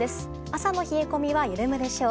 朝の冷え込みは緩むでしょう。